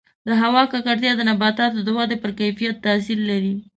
د هوا ککړتیا د نباتاتو د ودې پر کیفیت تاثیر لري.